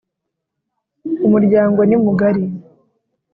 umuryango ni mugari